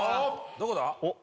どこだ！？